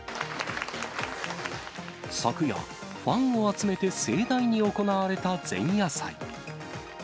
昨夜、ファンを集めて盛大に行われた前夜祭。